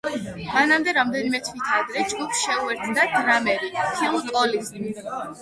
მანამდე რამდენიმე თვით ადრე ჯგუფს შეუერთდა დრამერი ფილ კოლინზი.